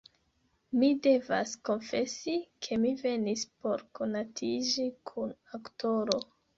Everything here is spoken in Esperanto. Mi devas konfesi, ke mi venis por konatiĝi kun aktoro.